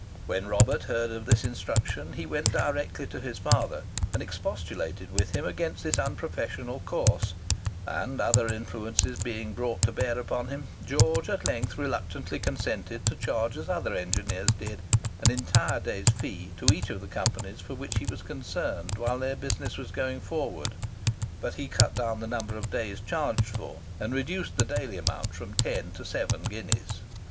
When Robert heard of this instruction, he went directly to his father and expostulated with him against this unprofessional course; and, other influences being brought to bear upon him, George at length reluctantly consented to charge as other engineers did, an entire day's fee to each of the Companies for which he was concerned whilst their business was going forward; but he cut down the number of days charged for and reduced the daily amount from ten to seven guineas.